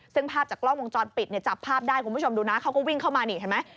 ซึ่งภาพจากกล้องวงจรปิดเนี่ยจับภาพได้คุณผู้ชมดูนะเขาก็วิ่งเข้ามานี่เห็นไหม